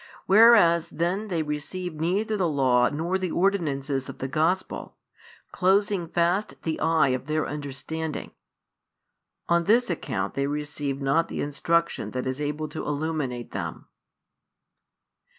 Whereas then they received neither the Law nor the ordinances of the Gospel, closing fast the eye of their understanding; on this account they receive not the instruction that is able to illuminate them.